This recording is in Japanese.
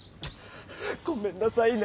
ごめんなさいね。